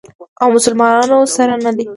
او مسلمانانو سره نه.